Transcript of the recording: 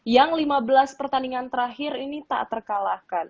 yang lima belas pertandingan terakhir ini tak terkalahkan